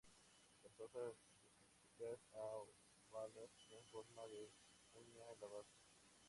Las hojas elípticas a ovadas en forma de cuña la base.